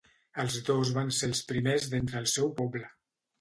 Els dos van ser els primers d'entre el seu poble.